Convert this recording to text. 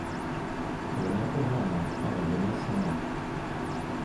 Вона погана, але вона сама.